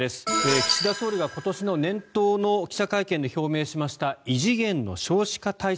岸田総理が今年の年頭の記者会見で表明しました異次元の少子化対策。